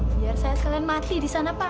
biar saya sekalian mati di sana pak